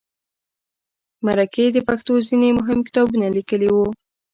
مرکې د پښتو ځینې مهم کتابونه لیکلي وو.